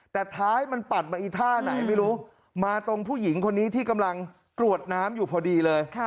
แต่ท้ายมันปัดมาอีท่าไหนไม่รู้มาตรงผู้หญิงคนนี้ที่กำลังกรวดน้ำอยู่พอดีเลย